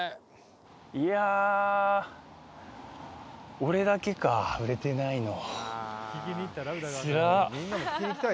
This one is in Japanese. いやあー、俺だけかあ、売れてないの。